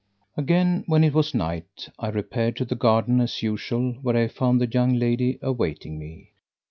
Again when it was night, I repaired to the garden as usual where I found the young lady awaiting me.